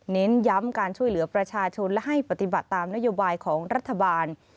เน้นย้ำการช่วยเหลือประชาชนและให้ปฏิบัติตามนโยบายของรัฐบาล